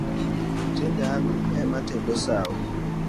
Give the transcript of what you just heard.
Tinde an ema atedo sau